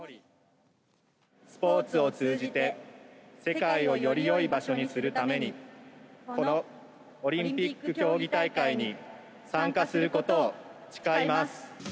スポーツを通じて世界をよりよい場所にするために、このオリンピック競技大会に参加することを誓います。